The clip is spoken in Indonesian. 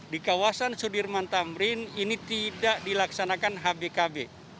di kawasan sudirman tamrin ini tidak dilaksanakan hbkb